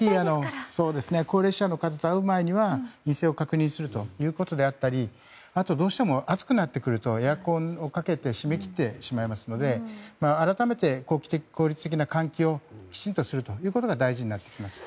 高齢者の方と会う前には、陰性を確認するということであったりどうしても暑くなってくるとエアコンをかけて閉め切ってしまいますので改めて効率的な換気をきちんとすることが大事になります。